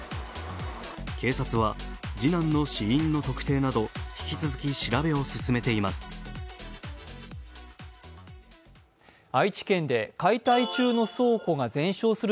警察は、次男の死因の特定など引き続き調べを進めています。